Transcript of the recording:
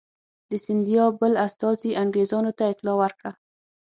د سیندیا بل استازي انګرېزانو ته اطلاع ورکړه.